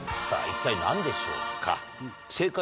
さぁ一体何でしょうか？